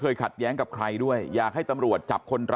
ชาวบ้านในพื้นที่บอกว่าปกติผู้ตายเขาก็อยู่กับสามีแล้วก็ลูกสองคนนะฮะ